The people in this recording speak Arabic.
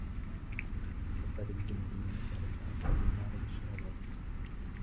حُفَّتْ الْجَنَّةُ بِالْمَكَارِهِ وَحُفَّتْ النَّارُ بِالشَّهَوَاتِ